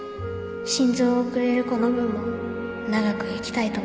心臓をくれる子の分も長く生きたいと思う